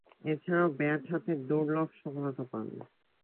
এছাড়াও ব্যাট হাতে দূর্লভ সফলতা পান।